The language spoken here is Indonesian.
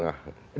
di jawa tengah